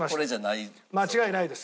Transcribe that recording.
間違いないです